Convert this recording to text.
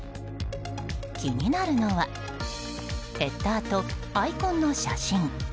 気になるのはヘッダーとアイコンの写真。